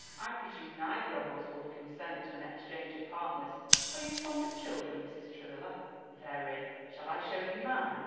"I presume neither of us would consent to an exchange of partners. Are you fond of children, Mrs. Travilla?" "Very." "Shall I show you mine?"